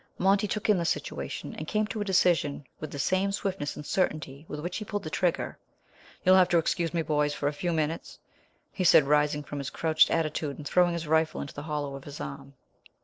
Monty took in the situation and came to a decision with the same swiftness and certainty with which he pulled the trigger. "You'll have to excuse me, boys, for a few minutes," he said, rising from his crouched attitude and throwing his rifle into the hollow of his arm.